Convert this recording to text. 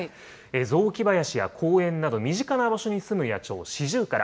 雑木林や公園など、身近な場所に住む野鳥、シジュウカラ。